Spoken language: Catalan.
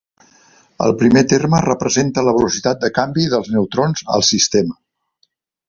El primer terme representa la velocitat de canvi dels neutrons al sistema.